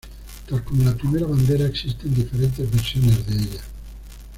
Tal como la primera bandera, existen diferentes versiones de ella.